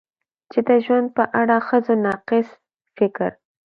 چې د ژوند په اړه د ښځو ناقص فکر